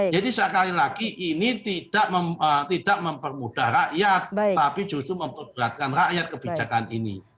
jadi sekali lagi ini tidak mempermudah rakyat tapi justru memperberatkan rakyat kebijakan ini